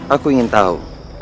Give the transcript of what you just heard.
aku ingin tahu